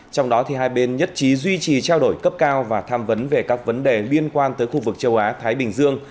trong đó hai bên nhất trí duy trì trao đổi cấp cao và tham vấn về các vấn đề liên quan tới khu vực châu á thái bình dương